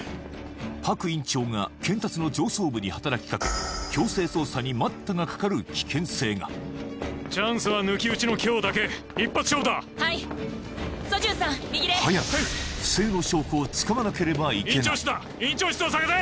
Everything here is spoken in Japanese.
パク院長が検察の上層部に働きかけ強制捜査に待ったがかかる危険性がチャンスは抜き打ちの今日だけ一発勝負だはいソジュンさん右で早く不正の証拠をつかまなければいけない院長室だ院長室を捜せ！